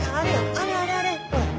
あれあれあれ！